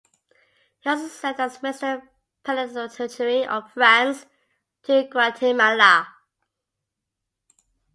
He also served as the Minister Plenipotentiary of France to Guatemala.